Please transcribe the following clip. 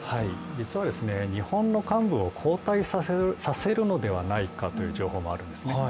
実は日本の幹部を交代させるのではないかという情報もあるんですね。